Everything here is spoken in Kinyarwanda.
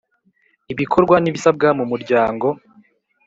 ibikorwa n ibisabwa mu Muryango